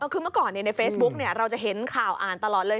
คือเมื่อก่อนในเฟซบุ๊กเราจะเห็นข่าวอ่านตลอดเลย